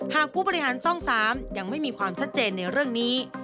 ผู้บริหารช่อง๓ยังไม่มีความชัดเจนในเรื่องนี้